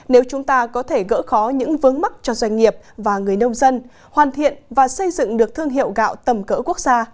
nếu chúng ta có thể gỡ khó những vướng mắt cho doanh nghiệp và người nông dân hoàn thiện và xây dựng được thương hiệu gạo tầm cỡ quốc gia